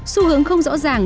xu hướng không rõ ràng